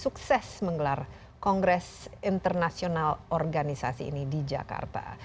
sukses menggelar kongres internasional organisasi ini di jakarta